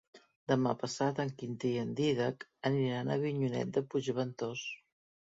Demà passat en Quintí i en Dídac aniran a Avinyonet de Puigventós.